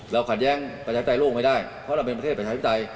เราขัดแย้งประชาชนไทยโลกไม่ได้เพราะเราเป็นประเทศประชาชนไทย